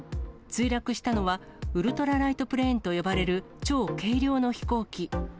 墜落したのは、ウルトラライトプレーンと呼ばれる超軽量の飛行機。